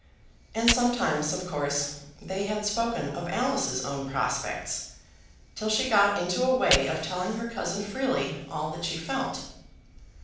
And sometimes, of course, they had spoken of Alice's own prospects, till she got into a way of telling her cousin freely all that she felt.